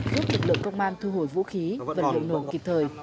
giúp lực lượng công an thu hồi vũ khí và lượng nổ kịp thời